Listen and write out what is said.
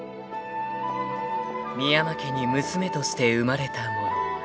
［深山家に娘として生まれた者］